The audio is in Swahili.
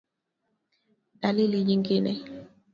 Dalili nyingine